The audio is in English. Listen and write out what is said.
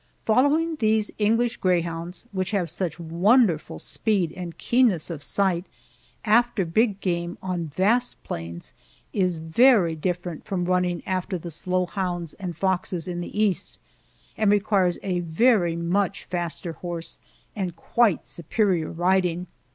Following these English greyhounds which have such wonderful speed and keenness of sight after big game on vast plains, is very different from running after the slow hounds and foxes in the East, and requires a very much faster horse and quite superior riding.